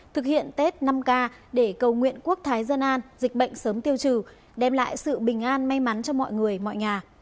thực hiện tết năm k để cầu nguyện quốc thái dân an dịch bệnh sớm tiêu trừ đem lại sự bình an may mắn cho mọi người mọi nhà